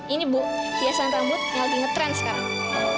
ini bu hiasan rambut yang lagi ngetrend sekarang